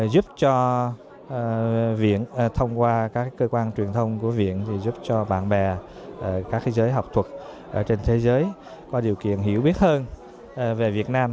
giúp cho viện thông qua các cơ quan truyền thông của viện giúp cho bạn bè các giới học thuật trên thế giới có điều kiện hiểu biết hơn về việt nam